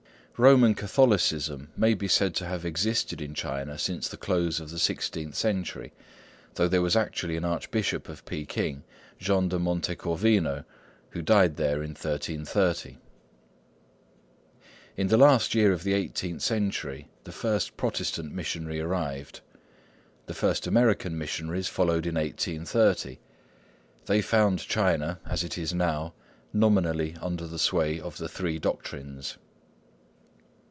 Roman Catholicism may be said to have existed in China since the close of the sixteenth century, though there was actually an Archbishop of Peking, Jean de Montecorvino, who died there in 1330. In the last year of the eighteenth century the first Protestant missionary arrived. The first American missionaries followed in 1830. They found China, as it is now, nominally under the sway of the Three Doctrines.